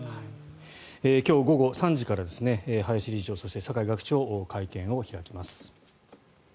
今日午後３時から林理事長そして酒井学長会見を開きます。